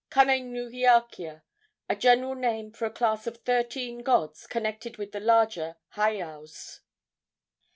Kanenuiakea, a general name for a class of thirteen gods connected with the larger heiaus.